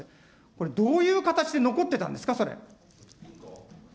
これ、どういう形で残ってたんですか、それ。